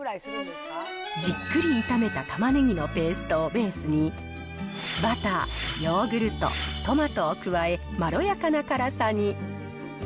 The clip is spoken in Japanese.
じっくり炒めたたまねぎのペーストをベースに、バター、ヨーグルト、トマトを加え、まろやかな辛さに。